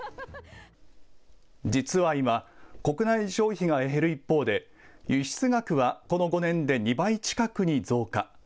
実は今、国内消費が減る一方で輸出額はこの５年で２倍近くに増加。